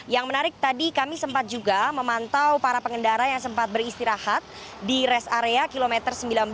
yang menarik tadi kami sempat juga memantau para pengendara yang sempat beristirahat di rest area kilometer sembilan belas